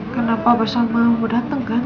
kenapa bersamamu dateng kan